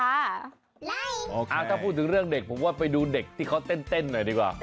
ถ้าพูดถึงเรื่องเด็กผมว่าไปดูเด็กที่เขาเต้นหน่อยดีกว่า